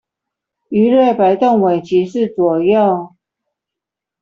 魚類擺動尾鰭是左右